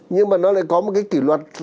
nhưng mà nó lại có một cái kỷ luật